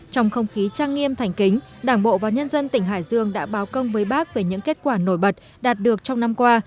trong không khí trang nghiêm thành kính đảng bộ và nhân dân tỉnh hải dương đã báo công với bác về những kết quả nổi bật đạt được trong năm qua